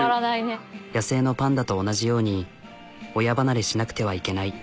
野生のパンダと同じように親離れしなくてはいけない。